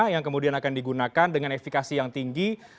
yang kemudian akan digunakan dengan efikasi yang tinggi